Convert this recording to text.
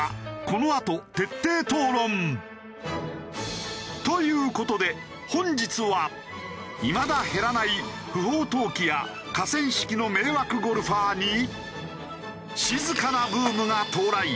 このあと徹底討論。という事で本日はいまだ減らない不法投棄や河川敷の迷惑ゴルファーに静かなブームが到来